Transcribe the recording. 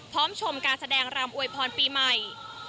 พร้อมชมการแสดงรามอวยพรปีใหม่